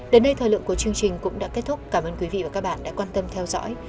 đến đây thời lượng của chương trình cũng đã kết thúc cảm ơn quý vị và các bạn đã quan tâm theo dõi